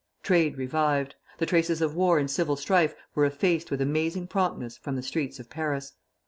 Trade revived. The traces of war and civil strife were effaced with amazing promptness from the streets of Paris.